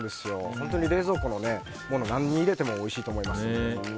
本当に冷蔵庫のもの何入れてもおいしいと思います。